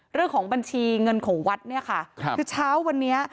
เรื่องของบัญชีเงินของวัดเนี่ยค่ะครับคือเช้าวันนี้